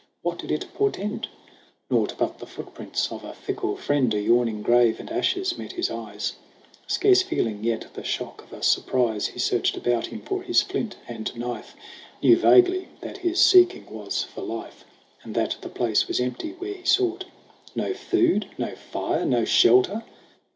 What did it portend ? Naught but the footprints of a fickle friend, A yawning grave and ashes met his eyes ! Scarce feeling yet the shock of a surprise, He searched about him for his flint and knife ; Knew vaguely that his seeking was for life, And that the place was empty where he sought. No food, no fire, no shelter